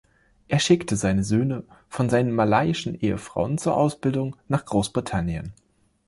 Er schickte seine Söhne von seinen malaiischen Ehefrauen zur Ausbildung nach Großbritannien.